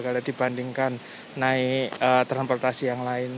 kalau dibandingkan naik transportasi yang lain